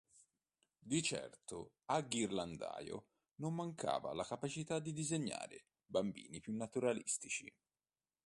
Di certo a Ghirlandaio non mancava la capacità di disegnare bambini più naturalistici.